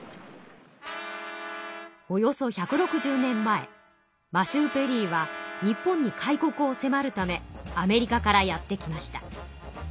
およそ１６０年前マシュー・ペリーは日本に開国をせまるためアメリカからやって来ました。